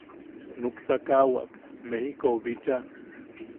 Nuksakaʼawak Mejikou bicha.